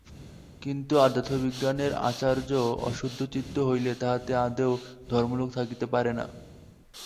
কিন্তু অধ্যাত্মবিজ্ঞানের আচার্য অশুদ্ধচিত্ত হইলে তাঁহাতে আদৌ ধর্মালোক থাকিতে পারে না।